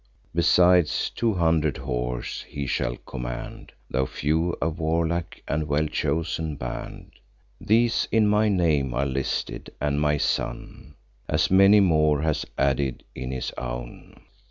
Besides, two hundred horse he shall command; Tho' few, a warlike and well chosen band. These in my name are listed; and my son As many more has added in his own."